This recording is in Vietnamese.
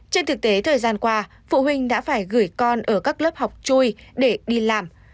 trên thực tế thời gian qua phụ huynh đã phải gửi con ở các lớp học chui để đi làm